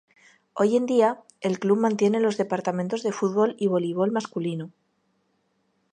Hoy en día, el club mantiene los departamentos de fútbol y voleibol masculino.